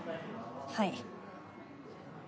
はい。